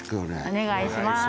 お願いします